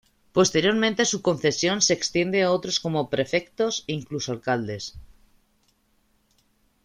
Posteriormente su concesión se extiende a otros como prefectos e incluso alcaldes.